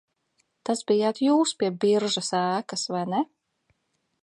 Tas bijāt Jūs pie biržas ēkas, vai ne?